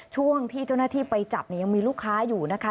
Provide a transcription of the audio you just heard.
ช่วงที่เจ้าหน้าที่ไปจับเนี่ยยังมีลูกค้าอยู่นะคะ